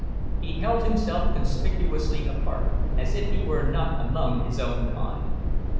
He held himself conspicuously apart, as if he were not among his own kind.